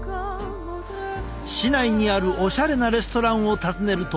市内にあるおしゃれなレストランを訪ねると。